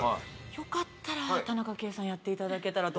よかったら田中圭さんやっていただけたらと。